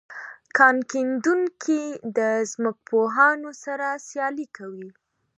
کان کیندونکي د ځمکپوهانو سره سیالي کوي